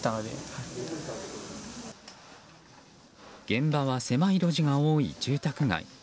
現場は狭い路地が多い住宅街。